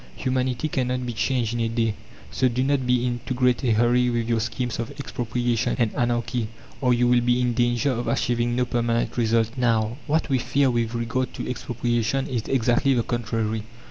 Humanity cannot be changed in a day, so do not be in to great a hurry with your schemes of Expropriation and Anarchy, or you will be in danger of achieving no permanent result." Now, what we fear with regard to Expropriation is exactly the contrary.